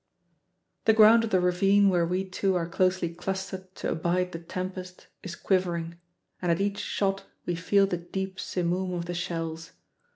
The ground of the ravine where we two are closely clustered to abide the tempest is quivering, and at each shot we feel the deep simoom of the shells.